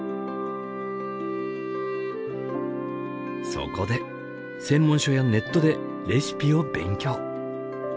そこで専門書やネットでレシピを勉強。